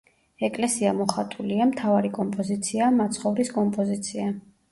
ეკლესია მოხატულია, მთავარი კომპოზიციაა მაცხოვრის კომპოზიცია.